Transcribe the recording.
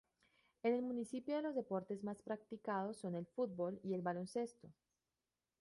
En el municipio los deportes más practicados son el fútbol y el baloncesto.